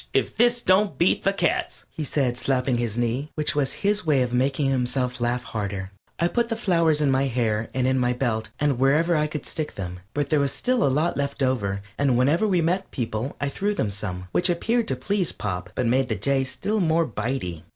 If this don't beat the cats," he said, slapping his knee, which was his way of making himself laugh harder. I put the flowers in my hair and in my belt and wherever I could stick them. But there was still a lot left over, and whenever we met people I threw them some, which appeared to please Pop, but made the Jay still more bite y.